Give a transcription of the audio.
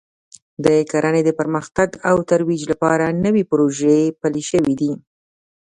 د کرنې د پرمختګ او ترویج لپاره نوې پروژې پلې شوې دي